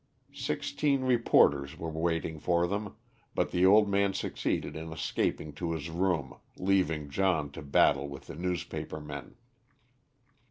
Sixteen reporters were waiting for them, but the old man succeeded in escaping to his room, leaving John to battle with the newspaper men.